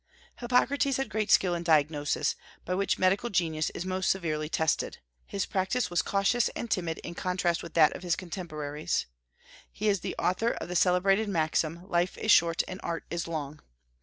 Hippocrates had great skill in diagnosis, by which medical genius is most severely tested; his practice was cautious and timid in contrast with that of his contemporaries. He is the author of the celebrated maxim, "Life is short and art is long."